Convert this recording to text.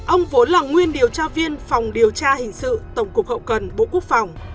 ông vốn là nguyên điều tra viên phòng điều tra hình sự tổng cục hậu cần bộ quốc phòng